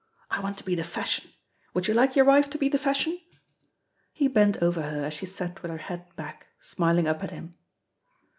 I want to be the fashion. Would you like your wife to be the fashion?" He bent over her as she sat with her head back, smiling up at him.